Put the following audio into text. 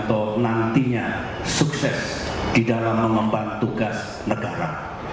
dan ini adalah kemampuannya sukses di dalam mengembang tugas negara